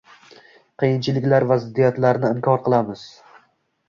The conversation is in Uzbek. qiyinchiliklar va ziddiyatlarni inkor qilamiz.